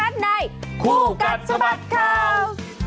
ในครู่กัลทรบัตรข่าว